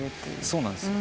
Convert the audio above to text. そうなんす。